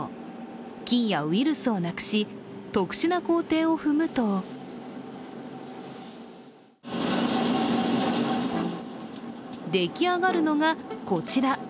菌やウイルスをなくし特殊な工程を踏むと出来上がるのがこちら。